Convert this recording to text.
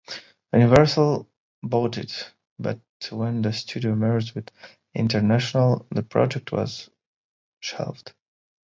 Universal bought it, but when the studio merged with International, the project was shelved.